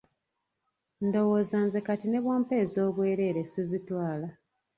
Ndowooza nze kati n'obwompa ez'obwerere sizitwala.